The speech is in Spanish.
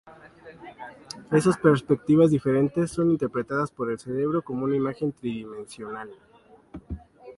Esas perspectivas diferentes son interpretadas por el cerebro como una imagen tridimensional.